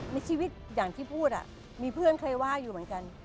ในชีวิตอย่างที่พูดมีเพื่อนเคยว่าอยู่เหมือนกัน